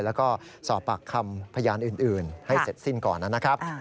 แล้วก็สอบปากคำพยานอื่นให้เสร็จสิ้นก่อนนะครับ